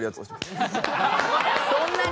そんなに？